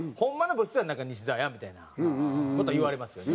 ブスは西澤やんみたいな事は言われますよね。